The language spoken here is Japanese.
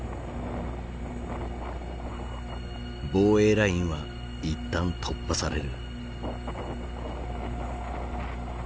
防衛ラインは一旦突破される。